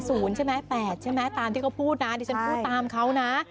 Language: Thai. ใช่ไหม๘ใช่ไหมตามที่เขาพูดนะดิฉันพูดตามเขานะ